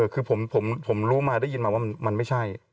คือผมรู้มาได้ยินมาว่ามันไม่ใช่